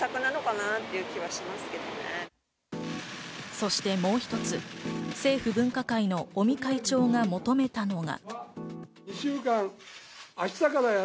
そしてもう一つ、政府分科会の尾身会長が求めたのが。